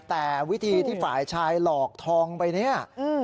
แต่วิธีที่ฝ่ายชายหลอกทองไปเนี่ย